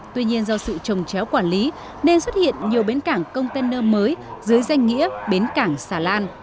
tuy nhiên do sự trồng chéo quản lý nên xuất hiện nhiều bến cảng container mới dưới danh nghĩa bến cảng xà lan